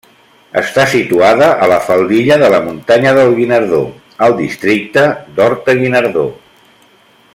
Està situada a la faldilla de la muntanya del Guinardó, al districte d'Horta-Guinardó.